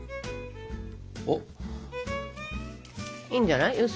いいんじゃない？